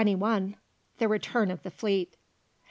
THE RETURN OF THE FLEET.